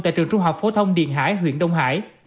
tại trường trung học phổ thông điền hải huyện đông hải